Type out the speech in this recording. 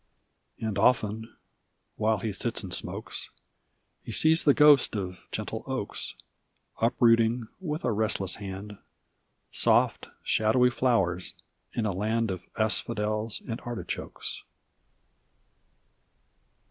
And often, while he sits and smokes, He sees the ghost of gentle Oakes Uprooting, with a restless hand. Soft, shadowy flowers in a land Of asphodels and artichokes.